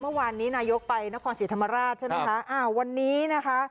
เมื่อวานนี้นายกไปนครศรีธรรมราชใช่ไหมคะอ่าวันนี้นะคะ